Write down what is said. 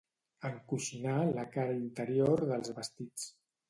Encoixinar la cara interior dels vestits.